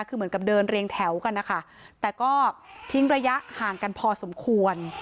คือเหมือนกับเดินเรียงแถวกันนะคะแต่ก็ทิ้งระยะห่างกันพอสมควร